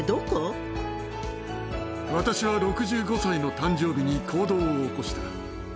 私は６５歳の誕生日に行動を起こした。